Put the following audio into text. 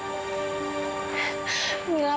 dia pun bisa